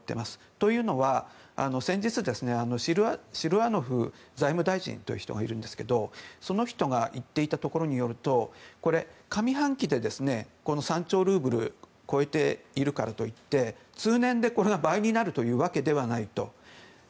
というのは、先日財務大臣がその人が言っていたところによると上半期で３兆ルーブルを超えているからといって通年で、これが倍になるというわけではないと。